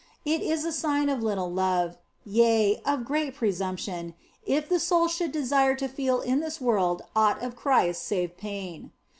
It is a sign of little love, yea, of great presumption, if the soul should desire to feel in this world aught of Christ save pain.